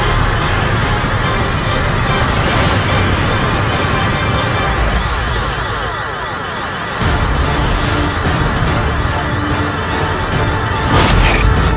untuk menambah kekuatanku